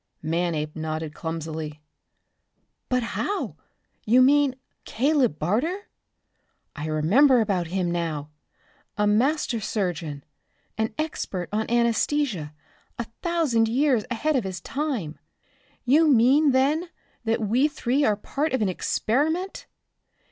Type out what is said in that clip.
Manape nodded clumsily. "But how? You mean Caleb Barter? I remember about him now. A master surgeon, an expert on anesthesia a thousand years ahead of his time. You mean then that we three are part of an experiment?